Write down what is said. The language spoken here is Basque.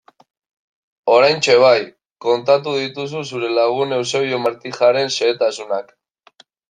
Oraintxe bai, kontatu dituzu zure lagun Eusebio Martijaren xehetasunak...